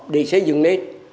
để xây dựng lên